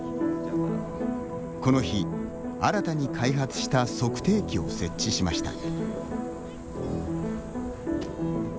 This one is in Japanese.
この日、新たに開発した測定器を設置しました。